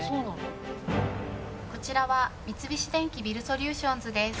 「こちらは三菱電機ビルソリューションズです」